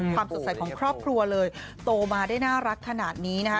สดใสของครอบครัวเลยโตมาได้น่ารักขนาดนี้นะคะ